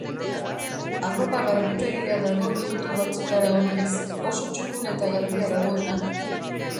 Arropa garbitegia dago minutu batzutara oinez, oso txukun eta garbia dagoena.